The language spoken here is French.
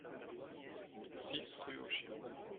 six rue Aux Chiens